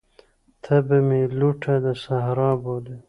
ته به مي لوټه د صحرا بولې